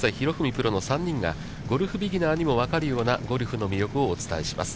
プロの３人がゴルフビギナーにも分かるようなゴルフの魅力をお伝えします。